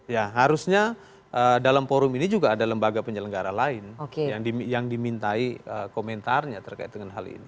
ya harusnya dalam forum ini juga ada lembaga penyelenggara lain yang dimintai komentarnya terkait dengan hal ini